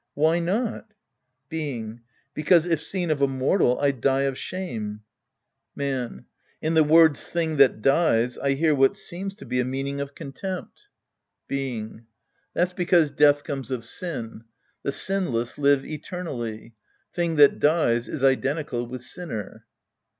Why not ?' Being. Because if seen of a mortal, I'd die of shame. Man. In the words " thing that dies," I hear what seems to be a meaning of contempt. Ind. The Priest and His Disciples 3 Being. That's because death comes of sin. The sinless live eternally. " Thing that dies " is identical with " sinner